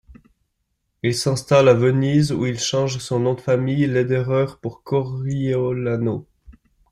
Il s'installe à Venise, où il change son nom de famille Lederer pour Coriolano.